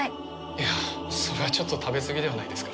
いやそれはちょっと食べすぎではないですか？